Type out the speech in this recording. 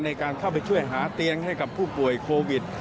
ในการเข้าไปช่วยหาเตียงให้กับผู้ป่วยโควิด